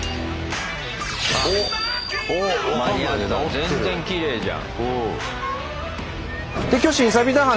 全然きれいじゃん。